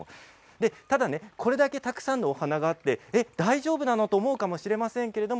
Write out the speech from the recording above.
ただこれだけたくさんのお花があって大丈夫なの、と思うかもしれませんけれど